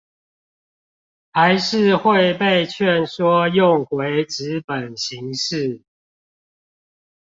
還是會被勸說用回紙本形式